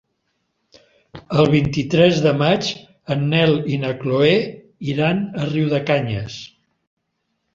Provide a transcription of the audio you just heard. El vint-i-tres de maig en Nel i na Chloé iran a Riudecanyes.